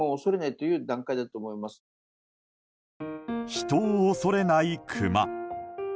人を恐れないクマ。